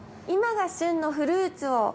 今が旬のフルーツを。